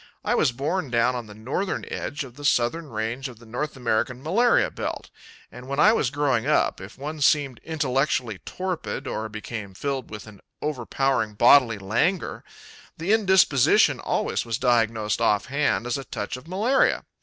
I was born down on the northern edge of the southern range of the North American malaria belt; and when I was growing up, if one seemed intellectually torpid or became filled with an overpowering bodily languor, the indisposition always was diagnosed offhand as a touch of malaria.